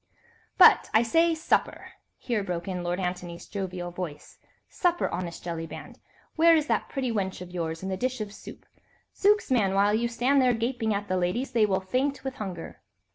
"But, I say, supper!" here broke in Lord Antony's jovial voice, "supper, honest Jellyband. Where is that pretty wench of yours and the dish of soup? Zooks, man, while you stand there gaping at the ladies, they will faint with hunger."